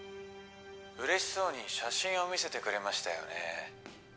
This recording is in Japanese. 嬉しそうに写真を見せてくれましたよね